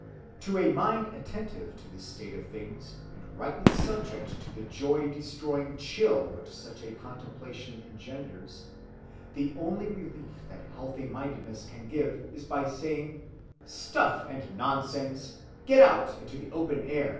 To a mind attentive to this state of things and rightly subject to the joy‐destroying chill which such a contemplation engenders, the only relief that healthy‐mindedness can give is by saying: "Stuff and nonsense, get out into the open air!"